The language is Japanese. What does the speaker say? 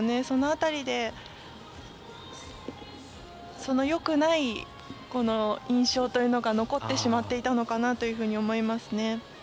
その辺りでよくない印象というのが残ってしまっていたのかなと思いますね。